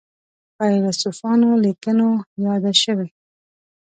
فیلسوفانو لیکنو یاده شوې.